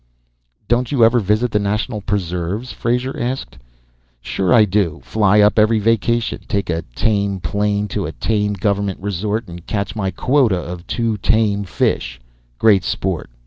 "Don't you ever visit the National Preserves?" Frazer asked. "Sure I do. Fly up every vacation. Take a tame plane to a tame government resort and catch my quota of two tame fish. Great sport!